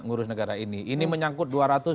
ngurus negara ini ini menyangkut